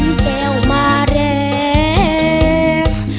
อีแก่วมาแรก